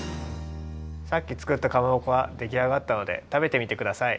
さっき作ったかまぼこができあがったのでたべてみてください。